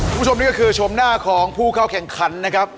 คุณผู้ชมนี่ก็คือชมหน้าของผู้เข้าแข่งขันนะครับ